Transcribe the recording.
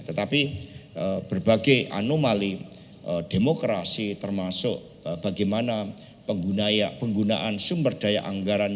tetapi berbagai anomali demokrasi termasuk bagaimana penggunaan sumber daya anggaran